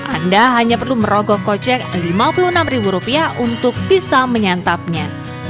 anda hanya perlu merogoh kocek rp lima puluh enam untuk bisa menyantapnya